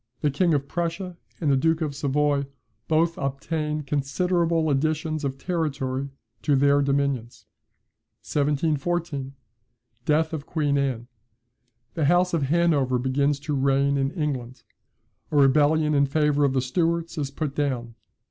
The King of Prussia and the Duke of Savoy both obtain considerable additions of territory to their dominions. 1714. Death of Queen Anne. The House of Hanover begins to reign in England. A rebellion in favour of the Stuarts is put down.